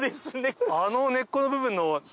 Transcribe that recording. あの根っこの部分の。